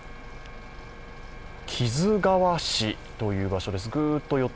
木津川市という場所です。